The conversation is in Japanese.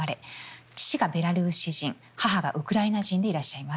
父がベラルーシ人母がウクライナ人でいらっしゃいます。